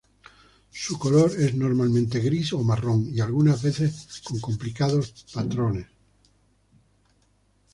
Su color es normalmente gris o marrón, algunas veces con complicados patrones.